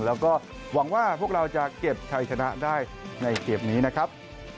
แล้วก็หวังว่าพวกเราจะเก็บชัยชนะได้ในเกมนี้นะครับ